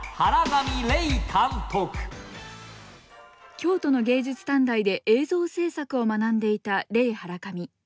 京都の芸術短大で映像制作を学んでいたレイ・ハラカミ。